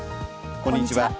こんにちは。